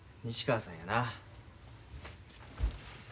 西川さんやな。